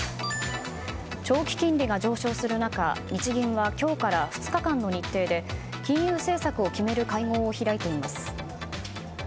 長期金利が上昇する中日銀は今日から２日間の日程で金融政策を決める会合を開いています。